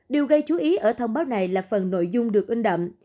điều gây chú ý ở thông báo này là phần nội dung được in đậm